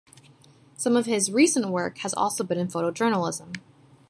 Some of his recent work has also been in photojournalism.